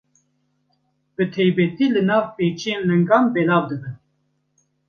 Bi taybetî li nav pêçiyên lingan belav dibin.